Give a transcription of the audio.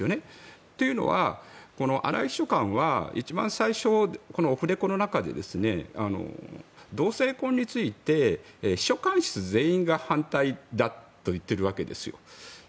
というのは荒井秘書官は一番最初、オフレコの中で同性婚について秘書官室全員が反対だと言っているわけですよ。